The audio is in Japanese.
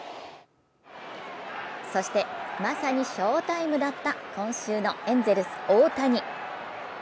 そして、まさに翔タイムだった今週のエンゼルス・大谷。